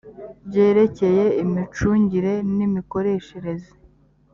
byerekeye imicungire n imikoreshereze